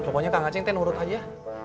pokoknya kang acing tuh nurut aja